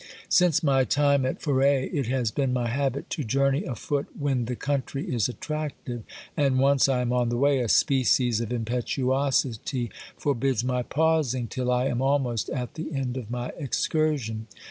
Since my time at Forez it has been my habit to journey afoot when the country is attractive, and once I am on the way, a species of impetuosity forbids my pausing till I am almost at the end of my excursion.